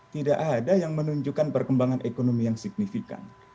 tidak ada yang menunjukkan perkembangan ekonomi yang signifikan